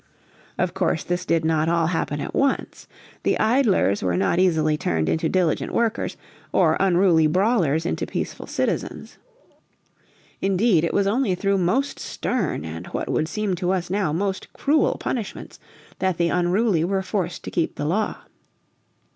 Of course this did not all happen at once. The idlers were not easily turned into diligent workers, or unruly brawlers into peaceful citizens. Indeed it was only through most stern, and what would seem to us now most cruel punishments, that the unruly were forced to keep the law.